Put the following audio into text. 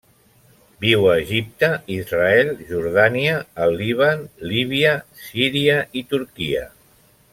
Viu a Egipte, Israel, Jordània, el Líban, Líbia, Síria i Turquia.